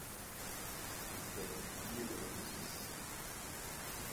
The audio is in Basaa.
Bitep bi yé we i jis.